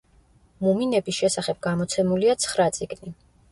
მუმინების შესახებ გამოცემულია ცხრა წიგნი.